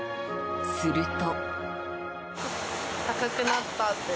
すると。